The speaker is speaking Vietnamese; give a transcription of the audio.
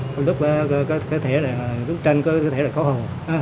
đôi lúc bức tranh có thể khó hồng